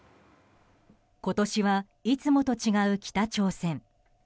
今年はいつもと違う北朝鮮。